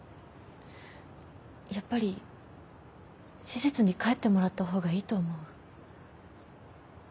やっぱり施設に帰ってもらったほうがいいと思う。